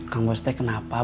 kang bos teh kenapa